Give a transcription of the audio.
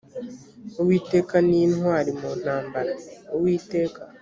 uwiteka ni intwari mu ntambara uwiteka